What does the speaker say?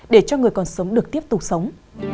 để cho người còn sống được tiếp tục sống